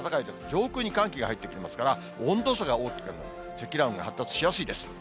上空に寒気が入ってきますから、温度差が大きく、積乱雲が発達しやすいです。